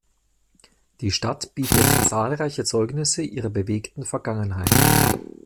Die Stadt bietet zahlreiche Zeugnisse ihrer bewegten Vergangenheit.